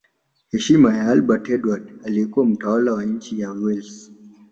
Heshima ya Albert Edward aliyekuwa mtawala wa nchi ya Wales